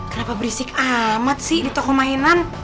kenapa berisik amat sih di toko mainan